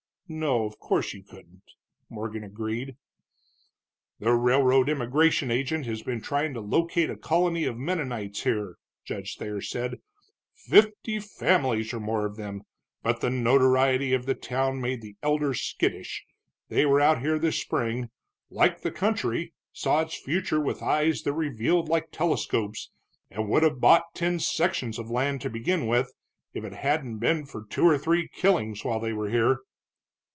"No, of course you couldn't," Morgan agreed. "The railroad immigration agent has been trying to locate a colony of Mennonites here," Judge Thayer said, "fifty families or more of them, but the notoriety of the town made the elders skittish. They were out here this spring, liked the country, saw its future with eyes that revealed like telescopes, and would have bought ten sections of land to begin with if it hadn't been for two or three killings while they were here."